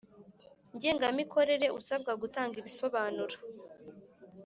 Ngengamikorere usabwa gutanga ibisobanuro